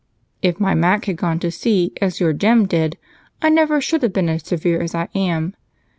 If my Mac had gone to sea as your Jem did, I never should have been as severe as I am.